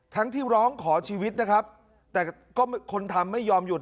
ทั้งที่ร้องขอชีวิตนะครับแต่ก็คนทำไม่ยอมหยุด